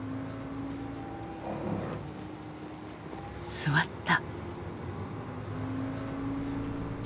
「座った！」。